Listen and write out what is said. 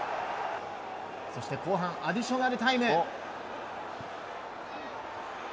そして後半アディショナルタイム。